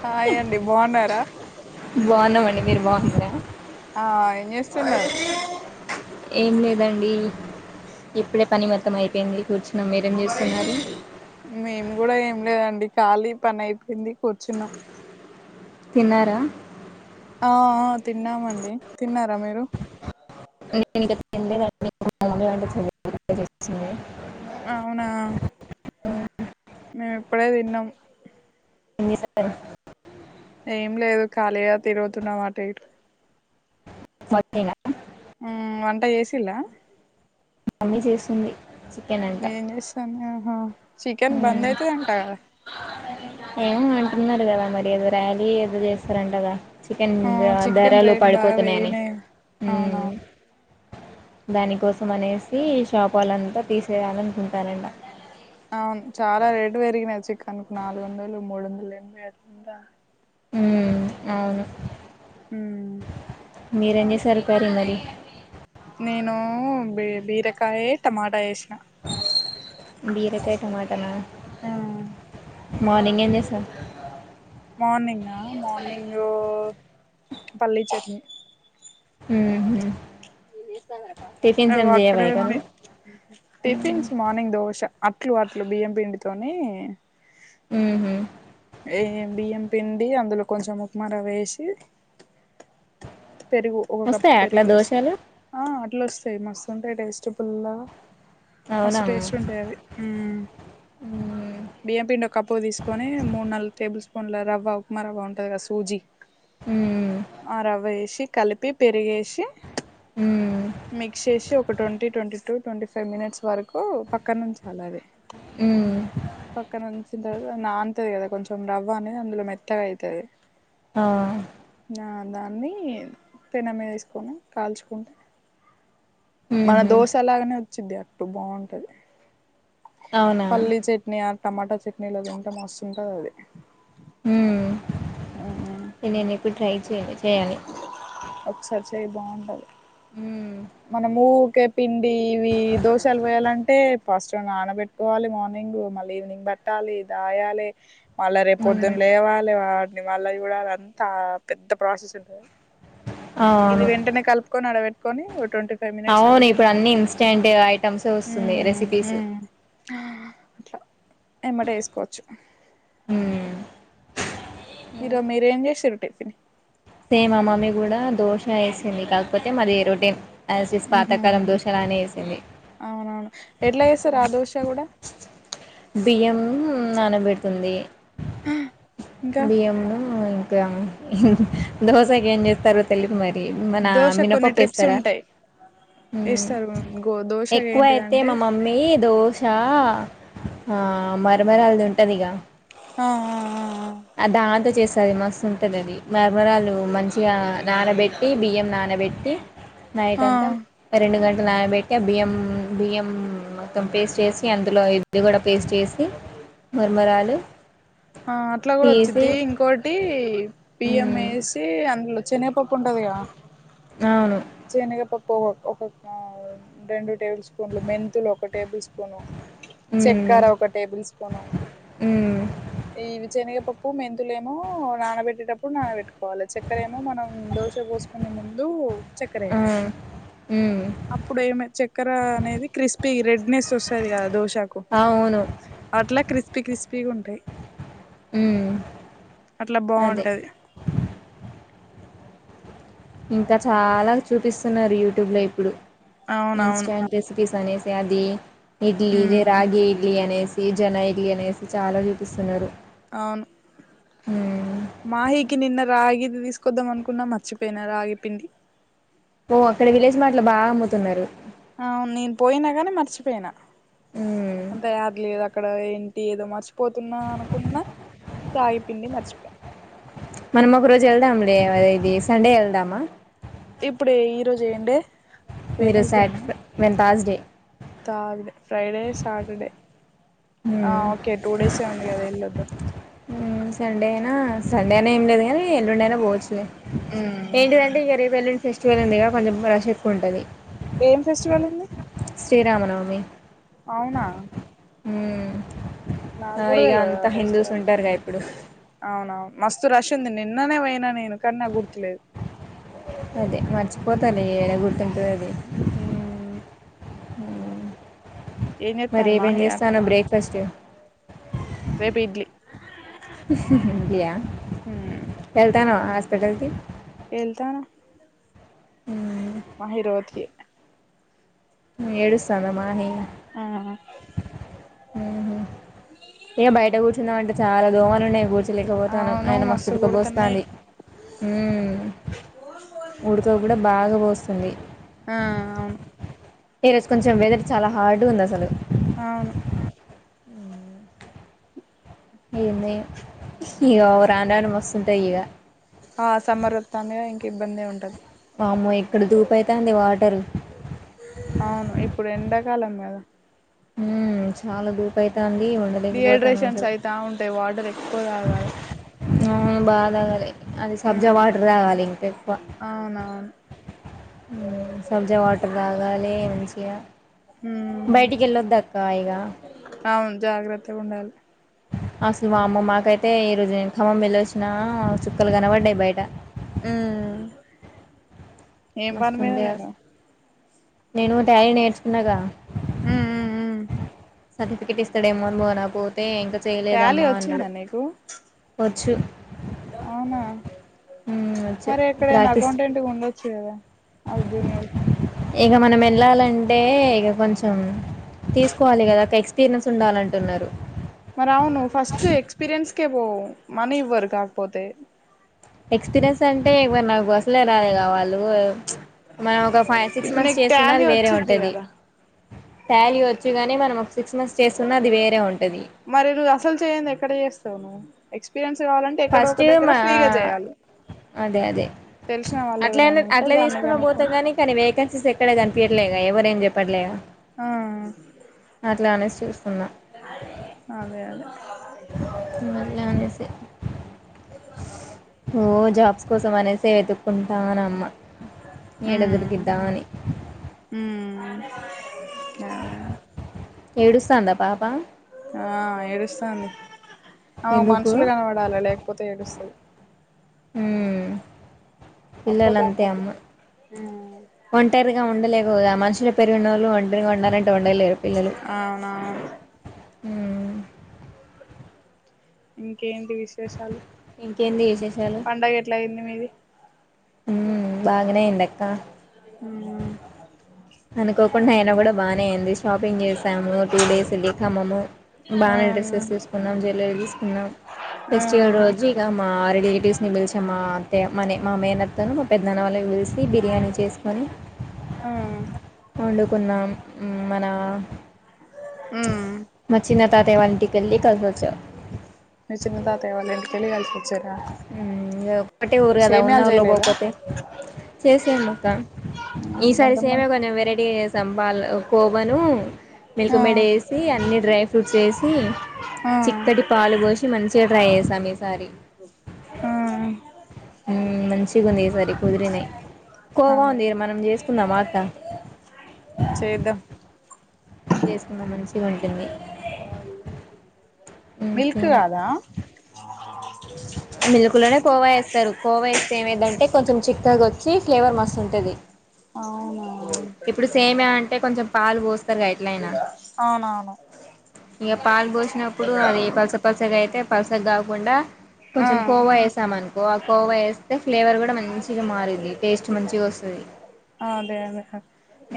హాయండి బాగున్నారా బాగున్నామండి మీరు బాగున్నారా ఆ ఏం చేస్తున్నారు ఏం లేదండి ఇప్పుడే పని మొత్తం అయిపోయింది కూర్చున్నాం మీరేం చేస్తున్నారు మేము కూడా ఏం లేదండి ఖాళీ పని అయిపోయింది కూర్చున్నాం తిన్నారా ఆ తిన్నామండి తిన్నారా మీరు నేను ఇంకా తినలేదండి మా మమ్మీ వండుతుంది ఇప్పుడే చేస్తుంది. అవునా మేము ఇప్పుడే తిన్నాం ఏం చేస్తున్నారు మరి ఏం లేదు ఖాళీగా తిరుగుతున్నము అటు ఇటు మరేనా ఉమ్ వంట చేసిల్లా మమ్మీ చేస్తుంది చికెన్ అంట నేను చేస్తుంది చికెన్ మ్మ్. బంధైతదంట అన్నారు కదా మరి ఏదో ర్యాలీ ఏదో చేస్తారంటగాా చికెన్ ఆ చికెన్ ధరలు రేట్ బాగా పడిపోతున్నాయని పెరిగినాయి అవునవును దానికోసం అనేసి షాప్ వాళ్ళంతా తీసేయాలనుకుంటారన్న అవును చాలా రేటు పెరిగినాయి చికన్కు నాలుగు వందలు మూడు వందలు ఎనభై అవుతుందా ఉమ్ అవును ఉ మీరేం చేశారు కర్రీ మరి నేను బీ బీరకాయ టమాటా చేసినా బీరకాయ టమాటనా మార్నింగ్ ఏం చేసినవు మార్నింగ్ ఆ మార్నింగ్ పల్లి చట్నీ ఉహూ అ అక్కడే ఉంది నువ్వు టిఫిన్స్ మార్నింగ్ దోశ అట్లు అట్లు బియ్యం పిండితోని ఉహూ ఏ బియ్యం పిండి అందులో కొంచెం ఉప్మా రవ్వ వేసి పెరుగు ఒక కప్పు వస్తాయా అట్లా పెరుగు వేస్త దోశలు ఆ అట్లా వస్తాయి మస్తుంటాయి టేస్ట్ పుల్లాగా అవునా మస్తు టేస్ట్ ఉంటాయి అవి ఉమ్ మ్మ్. బియ్యం పిండి ఒక కప్పు తీసుకొని మూడు నాలుగు టేబుల్ స్పూన్ గుండ్ల రవ్వ ఉప్మా రవ్వ ఉంటది కదా సూజీ మ్మ్. ఆ రవ్వ వేసి కలిపి పెరిగేసి మ్మ్. మిక్స్ చేసి ఒక ట్వంటీ ట్వంటీ ట్వీ ఫైవ్ మినిట్స్ వరకు పక్కనా ఉంచాలే ఆది మ్మ్. పక్కనుంచి వచ్చిన తర్వాత నానుతుది కదా కొంచెం రవ్వ అనేది అందులో మెత్తగా అయతది ఆ ఆ దాన్ని పపెనం మీద వేసుకొని కాల్చుకుంటే మన మ్మ్హ్మ్. దోశలాగానే వచ్చింది అట్టు బాగుంటది అవునా పల్లీ చట్నీ ఆ టమాటా చట్నీలో తింటె మస్తుంటది అది ఊ నేను ఇప్పుడు ట్రై చేయా చేయాలి ఒకసారి చెయి బాగుంటది మ్మ్. మనం ఊరికే పిండి ఇవి దోశలు పోయాలంటే ఫస్ట్ నానబెట్టుకోవాలి మార్నింగ్ ఇంగువ మళ్ళీ ఈవినింగ్ బట్టాలి దాయాలి మళ్ళా రేపు మ్మ్. పొద్దున్న లేవాలి వాటిని మళ్ళ చూడాల అదంతా పెద్ద ప్రాసెస్ ఉంటది ఇది అవును వెంటనే కలుపుకొని అడబెట్టుకొని ఒక ట్వంటీ ఫైవ్ మినిట్స్ అవును ఆగి ఇప్పుడు ఎమ్మటే అన్ని ఇన్స్టాంట్ ఐటమ్స్ వస్తున్నాయి రెసిపీస్ ఆ అట్లా ఎమ్మటె వేసుకోవచ్చు మ్మ్. ఈరోజు మీరు ఏమి చేసిర్రు టిఫినీ సేమ్ మా మమ్మీ కూడా దోశ వేసింది కాకపోతే మాది రోటిన్ యాజ్ టీజ్ మ్హూ పాతకాలం దోషాలనే వేసింది అవునవును ఎట్లా చేస్తారు ఆ దోష కూడా బియ్యం నానబెట్టింది ఇంకా బియ్యము ఇంకా దోశకి ఏం చేస్తారో తెలిదు మరి మన దోశ కొన్ని మినపప్పు ట్రిప్స్ వేస్తారా ఉంటాయి హు వేస్తారు గో దోశ ఎక్కువ ఎత్తే ఏంటిదంటే మా మమ్మీ దోశ ఆ మర మరలు ఉంటది గా ఆ ఆ ఆ అ దాంతో చేస్తది మస్తు ఉంటది అది మరమరాళ్లు మంచిగా నానబెట్టి బియ్యం నాన నబెట్టి నైట్ ఆ అంతా ఆ రెండు గంటలు నానబెట్టి బియ్యం బియ్యం మొత్తం పేస్ట్ చేసి అందులో ఇది కూడా పేస్ట్ చేసి మర్మరాలు ఆ అట్లా కూడా వచ్చిద్ది ఇంకోటి బియ్యం మ్మ్ వేసి అందులో శనగపప్పు ఉంటందిగా అవును శనగపప్పు ఒక ఒక రెండు టేబుల్ స్పూన్లు మెంతులు ఒక టేబుల్ స్పూను మ్మ్ చక్కర ఒక టేబుల్ స్పూను మ్మ్ ఇవి శనగపప్పు పప్పు మెంతులేమో నానబెట్టేటప్పుడు నానబెట్టుకోవాలి చక్కరేమో మనం దోశ పోసుకునే ముందు చక్కెర ఆ వేయాలి మ్మ్ అప్పుడు ఏమి చక్కెర అనేది క్రిస్పి రెడ్నెస్ వస్తది కదా దోశాకు అవును అట్లా క్రిస్పీ క్రిస్పీగా ఉంటాయి మ్మ్ అట్లా అదే బాగుంటది ఇంకా చాలా చూపిస్తున్నారు యూట్యూబ్ లో ఇప్పుడు అవునవును ఇన్స్టాంట్ రెసిపీస్ అనేసి అది ఇడ్లీ ఇది ఉమ్ రాగి ఇడ్లీ అనేసి తీ జొన్న ఇడ్లీ అనేసి చాలా చూపిస్తున్నారు అవును ఉమ్ మహి కి నిన్న రాగి ఇ తీసుకొద్దాం అనుకున్నా మర్చిపోయినా రాగి పిండి ఓ అక్కడ విలేజ్ మార్ట్ లో బాగా అమ్ముతున్నారు అవును నేను పోయినా కాని మర్చిపోయినా ఉమ్ అంత ఏది లేదు అ అక్కడ ఏంటి ఏదో మర్చిపోతున్నా అనుకున్నా రాగి పిండి మర్చిపోయినా తే ఆది ఇది సండే వెళ్దామా ఇప్పుడు ఈరోజు ఎం డే మీరు సటర్ మేము తర్స్డే తర్స్డే, ఫ్రైడే, సాటర్డే ఆ ఉమ్ ఓకే టూ డేస్ ఎ ఉంది కదా వెళ్ళొద్దాం సండే అయినా సండే అయినా ఏమి లేదు కానీ ఎల్లుండి అయినా పోవచ్చులే ఉమ్ ఏంటిదంటే ఇగ రేప్ ఎల్లుండి ఫెస్టివల్ ఉంది కొంచెం ప్రశప్ ఉంటది ఏం ఫెస్టివల్ ఉంది శ్రీరామనవమి అవునా మ్మ్ నాక్కూడా ఇగ తెల్వదు ఆ అంతా హిందూస్ ఫెస్టివల్ ఉంటారుగా ఇప్పుడు అవునవును మస్తు రష్ ఉంది నిన్ననే పోయినా నేను కానీ నాకు గుర్తులేదు పోతాలే ఏడ గుర్తుంటది మ్మ్ ఏం మరి చేత్తాంది ఏమేం మాహి అక్క చేస్తాన్నావ్ బ్రేక్ఫాస్ట్ రేపు ఇడ్లీ యా మ్మ్ వెళ్తాన్నావ హాస్పిటల్కి వెళ్తాన మ్మ్ ఏడుస్తాంద మాహి మ్మ్ మ్మ్ ఏ బయట కూర్చున్నావంట చాలా దోమలు ఉన్నాయి కూర్ లేకపోతాను అవును ఆయన మస్తు కుడుతున్నాయి మస్తుడుకుబోస్తంది మ్మ్ ఊడితో కూడా బాగా పోస్తుంది ఆ అవును ఈ రోజు కొంచెం వెదర్ చాలా హార్డ్ ఉంది అసలు అవును ఏంది ఇగా రాను రాను మస్తుంటాయి ఇగ ఆ సమ్మర్ వత్తాందిగా ఇంకా ఇబ్బందే ఉండదు అమ్మో ఇక్కడ దూపయితాంది వాటర్ అవును ఇప్పుడు ఎండాకాలం కదా మ్మ్ చాలా దూపయితాంది డిహైడ్రేషన్స్ అయితా ఉంటాయి వాటర్ ఎక్కువ తాగాలి మ్మ్ బాగా తాగాలి అది సబ్జా అవును వాటర్ తాగాలి ఇంకా ఎక్కువ అవునవును మ్మ్ సబ్జా వాటర్ తాగాలి మంచిగా మ్మ్ బయటికెల్లోద్దక్క ఇగ అవును జాగ్రత్తగా ఉండాలి అసలు మా అమ్మ మాకైతే ఈ రోజు నేను ఖమ్మం వెళ్ళొచ్చినా చుక్కలు కనపడ్డాయి బయట మ్మ్ ఏం పని మీద మస్తుండే పోయినావ్ అసలు నేను తయారీ నేర్చుకున్నాగా మ్మ్ మ్మ్ హ్మ్ సర్టిఫికెట్ ఇస్తాడేమో అని పోనా పోతే ఇంకా టాలీ చేయలేదమ్మా అన్నాడు వచ్చిందా నీకు చ్చులు అవునా మ్మ్ వచ్చు మరి ఎక్కడైనా ప్రాక్టీస్ అకౌంటెంట్ గా ఉండొచ్చు కదా అవు జునియర్ ఇక మనం ఎళ్లాలంటే ఇగ కొంచెం తీసుకోవాలి కదా ఒక ఎక్స్పీరియన్స్ ఉండాలి అంటున్నారు మరి అవును ఫస్ట్ ఎక్స్పీరియన్స్కే పో మనీ ఇవ్వరు కాకపోతే ఎక్స్పీరియన్స్ అంటే ఇవ్వరు నాకు అసలే రాదే కావాలి ఓ మనం ఒక ఫై సిక్స్ ఇప్పుడు మంత్స్ నీకు చేసున్నా టాలీ అది వేరే వచ్చిద్ది ఉంటది కదా ట్యాలీ వచ్చుగనీ మనం ఒక్సాా సిక్స్ మంత్స్ చేస్తున్న అది వేరే ఉంటది మరి నువ్వు పీరియన్స్ కావాలంటే ఎక్కడో ఫస్ట్ ఒక దగ్గర మా ఫ్రీగా చేయాలి అదే అదే తెలిసిన వాళ్ళు అట్లనే ఎవరైనా ఉంటే అట్లా దాన్ని తీసుకునిపోతే కనుక్కొని కాని కానీ వేకెన్సీస్ ఎక్కడ కనిపియ్యలేదు ఎవరు ఏం చెప్పట్లేగా ఆ అట్లా అనేసి చూస్తున్నా అదే అదే వెళ్లనేసి ఓ జాబ్స్ కోసం అనేసి వెతుక్కుంటానమ్మ ఏడ దొరికిద్దాని ఆ ఏడుస్తాందా పాప ఆ ఏడుస్తాంది ఆమెకు ఎందుకు మనుషులు కనవడాలే లేకపోతే ఏడుస్తది ఒక్కతే పిల్లలంతే ఉండదు అమ్మ ఒంటరిగా ఉండలే లుద మనుషులు పెరిగినోళ్ళు ఒంటరిగా ఉండాలంటే ఉండలేరు పిల్లలు అవునా ఆ ఇంకేంటి విశేషాలు ఇంకేంది పండగ ఎట్లాయింది మీది ఉ బాగనేయిందక్క ఆ అనుకోకుండా అయిన కూడా బాగానే అయింది షాపింగ్ చేసాము టూ డేస్ ఎల్లి ఖమ్మము ఆ బాగానే డ్రెస్సెస్ తీసుకున్నాం జ్యవలరీ తీసుకున్నాం ఫెస్టివల్ రోజు ఇగ మా రిలేటివ్స్ ని పిలిచమ్మా అంటే మనే మా మేనత్తను మా పెద్దనాన్న వాళ్ళకి పిలిసి బిర్యానీ చేసుకొని ఆ వండుకున్నం మన ఉమ్ మ చిన్న తాతయ్య వాళ్ళింటి మీ చిన్న తాతయ్య వాళ్ళింటికేల్లి కలిసి వచ్చారా ఇక ఒకటే ఊరు కదా ఉన్న సేమ్యాలు ఊర్లో చేయలేదా పోపోతే చేసేమ్మక్క ఈసారి సేమ్య ఎంతమంది కొంచెం వెరైటీ గా చెస్ వాళ్ళ కోవను మిల్క్ ఆ మేడ్ ఏసి అన్నీ డ్రై ఫ్రూట్స్ వేసి ఆ చిక్కటి పాలు పోసి మంచిగా ట్రై చేసాం ఈసారి ఆ ఉ మంచిగుంది ఈసారి కుదిరినాయి కోవ అదే ఉంది ఇడ మనం చేసుకుందామ అక్క చేద్దాం చేసుకుందాం మంచి ఉంటుంది మిల్క్ ఇంకేమో కాదా మిల్క్లా నే కోవా ఎస్తారు కోవా ఎస్తే ఏమైదంటే కొంచెం చిక్కగా వచ్చి ఫ్లేవర్ మస్తు ఉంటది అవునా ఇప్పుడు సేమ్యా అంటే కొంచెం పాలు పోస్తారుగా ఎట్లయినా అవునవును ఇగ పాలు పోసినప్పుడు అది పల్స పల్సగాయితే పల్సగాకుండా ఆ కొంచెం కోవా యేసామాన్ వా కోవా ఏస్తే ఫ్లేవర్ కూడా మంచిగా మారింది టేస్ట్ మంచిగా వస్తది ఆ అదే అదే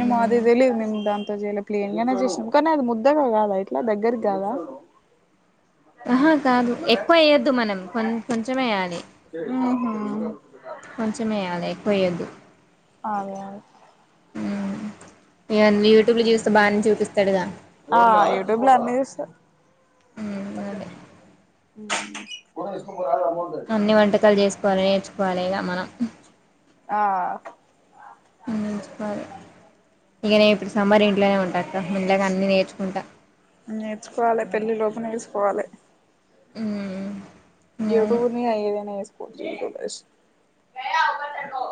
ఏమో అది తెలిదు మేము దా అటాచేయలే ప్లేన్గా నే చేసినాం కానీ అది ముద్దగా కాదా ఇట్లా దగ్గరికి కాదా ఆహా కాదు ఎక్కువ వేయ్యొద్దు మనం కొం కొంచెమేయ్యాలి. ఉహు కొంచెం ఏయాలే ఎక్కువ ఏయద్దు అదే అదే ఇవన్నీ యూట్యూబ్లో చూస్తే బాగానే చూపిస్తాడుగా ఆ యూట్యూబ్ ల అన్నీ చూస్తా అదే కు అన్ని వంటకాలు చేసుకోవాలి నేర్చుకోవాలి ఇగ మనం ఆ ఇగ నేనీప్పుడు సమ్మర్ ఏం ఇంట్లనే ఉంటాక్క మెల్లగా అన్నీ నేర్చుకుంటా పోవాలే ఉమ్ యూట్యూబ్ నీ ఆయదనిగా ఎస్కో [unintelligible] ఎస్కో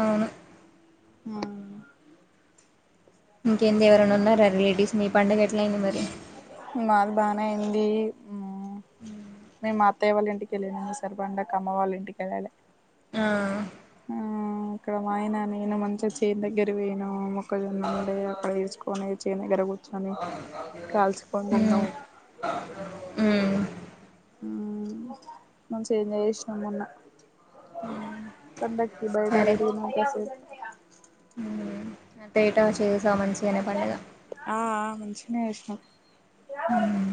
అవును ఆహా ఇంకేంది ఎవరైనా ఉన్నారా రిలేటివ్స్ మీ పండగ ఎట్లయింది మరి మాది బానే అయింది హ్మ్మ్ మేమత్ అత్తయ్య వాళ్ళింటికి వెళ్లిన ఈసారి పండక్కి అమ్మ వాళ్ళ ఇంటికి వెళ్ళాలి హ్మ్మ్ హ్మ్మ్ ఇక్కడ మా ఆయన నేను మంచిగా చేన్ దగ్గర పోయినమ్ కొంచం సేపు ఉండి అక్కడ ఏసుకుని చేన్ దగ్గర కూర్ ని కాల్చుకని ఉమ్ తిన్నాము ఉమ్ హ్మ్మ్ మంచిగా ఎంజాయ్ చేసినము మొన్న పండక్కి బయట తిరిగిన కాసేపు హ్మ్మ్ అట ఎటో చేసి ఆ ఆ మంచిగనే వేసినం పండుగ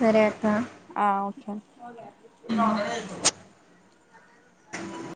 సరే అక్క ఆ ఒకే [inaudible]